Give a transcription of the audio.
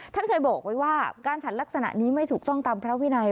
ท่านเคยบอกไว้ว่าการฉันลักษณะนี้ไม่ถูกต้องตามพระวินัย